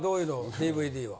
ＤＶＤは。